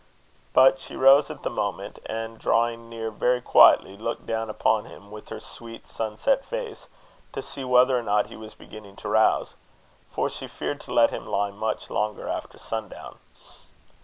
But she rose at the moment, and drawing near very quietly, looked down upon him with her sweet sunset face, to see whether or not he was beginning to rouse, for she feared to let him lie much longer after sundown.